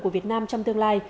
của việt nam trong tương lai